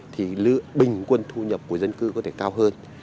thì bình quân thu nhập của dân cư có thể cao hơn